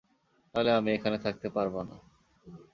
তাহলে আমি এখানে থাকতে পারব না।